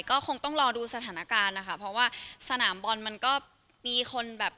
ก็คงต้องรอดูสถานการณ์นะคะเพราะว่าสนามบอลมันก็มีคนแบบ